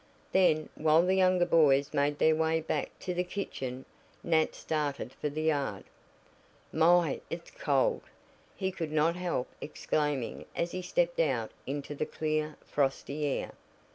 Then, while the younger boys made their way back to the kitchen, Nat started for the yard. "My, it's cold!" he could not help exclaiming as he stepped out into the clear, frosty air.